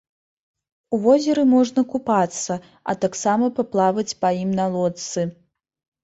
У возеры можна купацца, а таксама паплаваць па ім на лодцы.